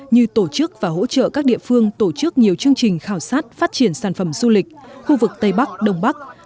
như tổ chức và hỗ trợ các địa phương tổ chức nhiều chương trình khảo sát phát triển sản phẩm du lịch khu vực tây bắc đông bắc